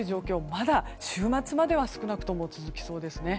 まだ週末までは少なくとも続きそうです。